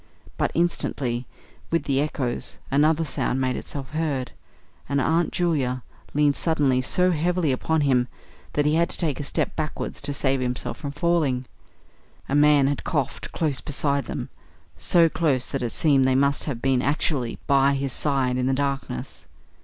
But, instantly, with the echoes, another sound made itself heard, and Aunt Julia leaned suddenly so heavily upon him that he had to take a step backwards to save himself from falling. A man had coughed close beside them so close that it seemed they must have been actually by his side in the darkness.